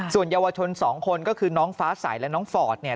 ส่วนเยาวชน๒คนก็คือนางฟ้าสายและนางฟอร์ต